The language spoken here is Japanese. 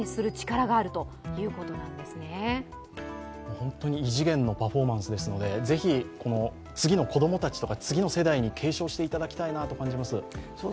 本当に異次元のパフォーマンスですのでぜひ次の子供たちとか次の世代に継承していただきたいなと感じます。